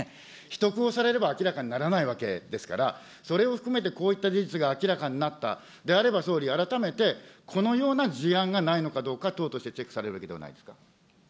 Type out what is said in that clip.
秘匿をされれば明らかにならないわけですから、それを含めてこういった事実が明らかになったであれば、総理、改めてこのような事案がないのかどうか、党としてチェックされるべきではないですか。